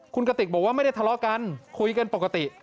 คุณกติกบอกว่าไม่ได้ทะเลาะกันคุยกันปกติ